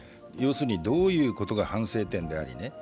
どういうことが反省点であり。